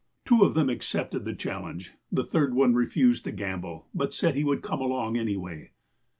Two of them accepted the challouge. The third one refused to gamble, but said he would come along anyway.